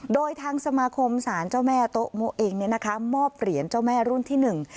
โดยทางสมาคมสารเจ้าแม่โต๊ะมุเองเนี่ยนะคะมอบเหรียญเจ้าแม่รุ่นที่หนึ่ง